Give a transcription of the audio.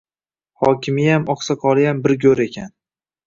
Hokimiyam oqsoqoliyam bir go‘r ekan.